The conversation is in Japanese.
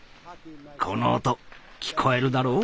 この音聞こえるだろう？